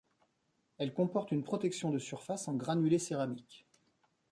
Elle comporte une protection de surface en granulés céramique.